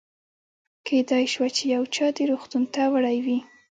کېدای شوه چې یو چا دې روغتون ته وړی وي.